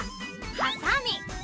はさみ。